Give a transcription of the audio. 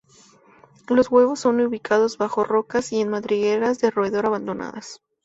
Los huevos son ubicados bajo rocas y en madrigueras de roedor abandonadas.